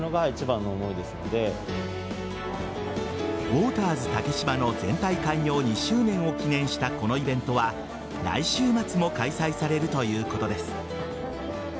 ウォーターズ竹芝の全体開業２周年を記念したこのイベントは来週末も開催されるということです。